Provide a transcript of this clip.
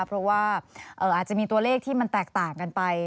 เพราะว่าอาจจะมีตัวเลขที่มันแตกต่างกันไป